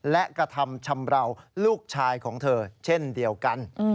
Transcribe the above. และกระทำชำราวลูกชายของเธอเช่นเดียวกัน